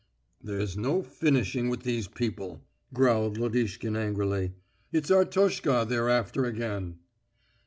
"There's no finishing with these people," growled Lodishkin angrily. "It's Artoshka they're after again."